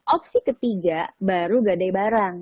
opsi ketiga baru gadai barang